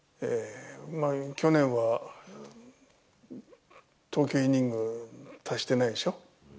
去年は投球イニング達していないでしょ。